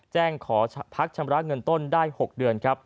แจ้งขอพักชำระเงินต้นได้๖เดือนครับ